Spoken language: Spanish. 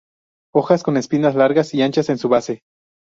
Hojas con espinas largas y anchas en su base.